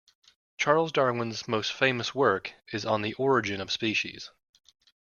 Charles Darwin's most famous work is On the Origin of Species.